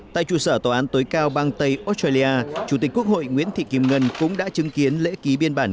tại trụ sở tòa án tối cao bang tây australia chủ tịch quốc hội nguyễn thị kim ngân cũng đã chứng kiến lễ ký biên bản